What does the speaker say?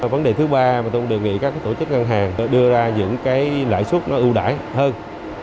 vấn đề thứ ba tôi đề nghị các tổ chức ngân hàng đưa ra những lãi suất ưu đải hơn